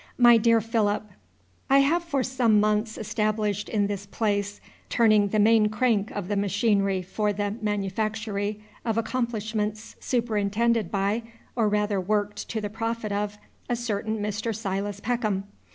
MY DEAR PHILIP, I have been for some months established in this place, turning the main crank of the machinery for the manufactory of accomplishments superintended by, or rather worked to the profit of, a certain Mr. Silas Peckham.